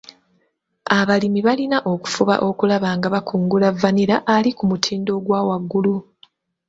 Abalimi balina okufuba okulaba nga bakungula vanilla ali ku mutindo ogwa waggulu.